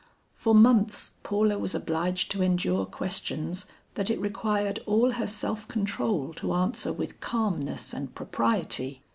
For months Paula was obliged to endure questions, that it required all her self control to answer with calmness and propriety.